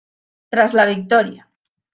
Tras la victoria.